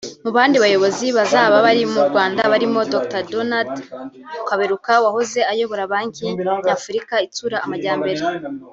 Mu bandi bayobozi bazaba bari mu Rwanda barimo Dr Donald Kaberuka wahoze ayobora Banki Nyafurika Itsura Amajyambere